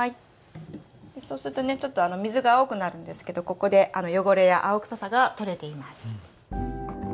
そうするとねちょっと水が青くなるんですけどここで汚れや青臭さが取れています。